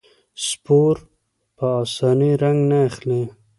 سپور په اسانۍ رنګ نه اخلي.